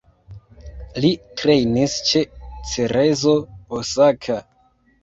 Li trejnis ĉe Cerezo Osaka.